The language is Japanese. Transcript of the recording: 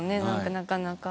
なかなか。